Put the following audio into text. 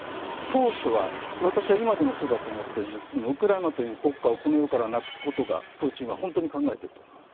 当初は、私は今もそうだと思っているんですがウクライナという国家をこの世からなくすことをプーチンは本当に考えていると思います。